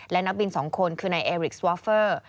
และนักบิน๒คนคือนายเอริกสวอฟเฟอร์